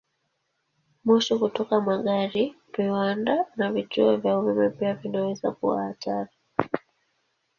Moshi kutoka magari, viwanda, na vituo vya umeme pia vinaweza kuwa hatari.